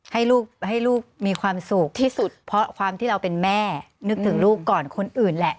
ให้ลูกให้ลูกมีความสุขที่สุดเพราะความที่เราเป็นแม่นึกถึงลูกก่อนคนอื่นแหละ